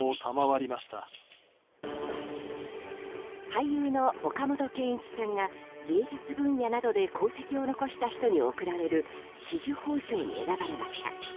俳優の岡本健一さんが芸術分野などで功績を残した人などに贈られる紫綬褒章に選ばれました。